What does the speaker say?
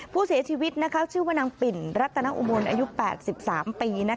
ผู้เสียชีวิตชื่อว่านางปิ่นรัตนอุบลอายุ๘๓ปี